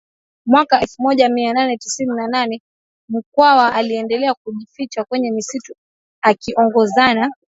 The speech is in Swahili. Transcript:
Mwaka elfu moja mia nane tisini na nane Mkwawa aliendelea kujificha kwenye misitu akiongozana